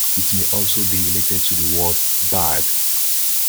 It may also be related to the word "bag".